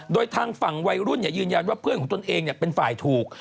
โดยทางฝั่งวัยรุ่นยืนยันว่าเพื่อนของตนเองเป็นฝ่ายถูก